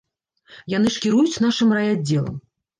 Яны ж кіруюць нашым райаддзелам.